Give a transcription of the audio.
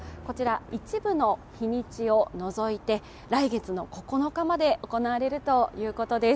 一部の日にちを除いて、来月の９日まで行われるということです。